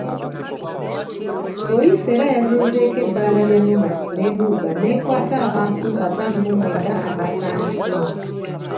Poliisi era yazinzeeko ebbaala ya Nomads e Bbunga n'ekwata abantu ana mu mwenda abasangiddwamu.